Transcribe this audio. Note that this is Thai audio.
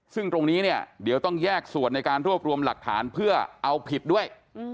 ซึ่งตรงนี้เนี่ยเดี๋ยวต้องแยกส่วนในการรวบรวมหลักฐานเพื่อเอาผิดด้วย